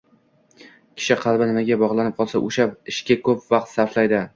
Kishi qalbi nimaga bog‘lanib qolsa, o‘sha ishga ko‘p vaqt sarflaydi